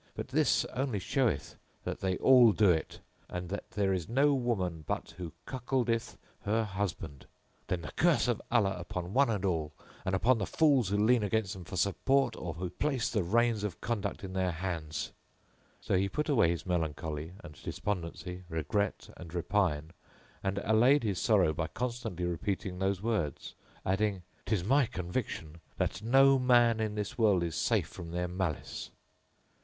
But this only showeth that they all do it[FN#8] and that there is no woman but who cuckoldeth her husband, then the curse of Allah upon one and all and upon the fools who lean against them for support or who place the reins of conduct in their hands." So he put away his melancholy and despondency, regret and repine, and allayed his sorrow by constantly repeating those words, adding, " 'Tis my conviction that no man in this world is safe from their malice!"